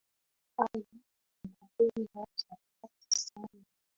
Ali anapenda chapati sana.